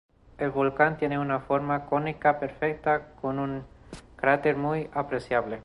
El volcán tiene una forma cónica perfecta, con un cráter muy apreciable.